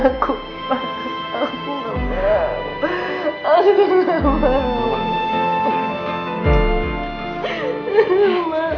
aku enggak mau